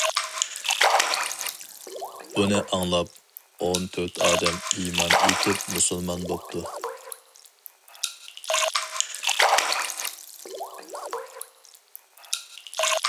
بۇنى ئاڭلاپ ئون تۆت ئادەم ئىمان ئېيتىپ مۇسۇلمان بوپتۇ.